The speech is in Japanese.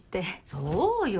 そうよ。